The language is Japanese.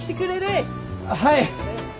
はい！